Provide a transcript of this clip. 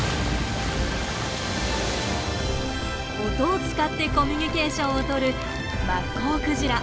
音を使ってコミュニケーションをとるマッコウクジラ。